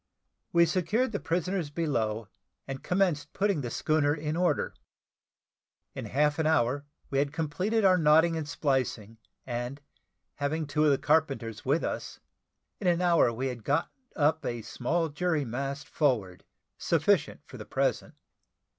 We secured the prisoners below, and commenced putting the schooner in order. In half an hour, we had completed our knotting and splicing, and having two of the carpenters with us, in an hour we had got up a small jury mast forward, sufficient for the present.